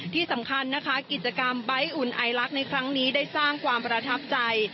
ที่สำคัญนะคะกิจกรรมใบ้อุ่นไอลักษณ์ในครั้งนี้ได้สร้างความประทับใจ